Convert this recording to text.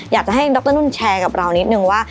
อยากจะให้ดรนุ่นแชร์กับเรานิดนึงว่า